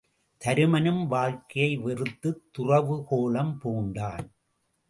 தருமனும் வாழ்க்கையை வெறுத்துத் துறவுக்கோலம் பூண்டான்.